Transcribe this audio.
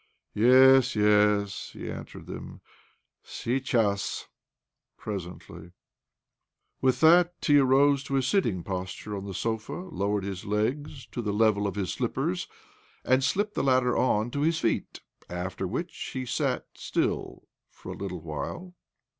" Yes, yes," he answered them. " Seichass —presently." With that he rose to a sitting posture on the sofa, lowered his legs to the level of his slippers, and slipped the latter on to his feet ; after which he sat still for a little while.